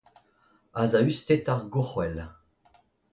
Azasausted ar gourc’hwel.